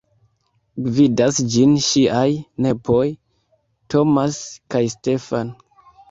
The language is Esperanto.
Gvidas ĝin ŝiaj nepoj Thomas kaj Stephan.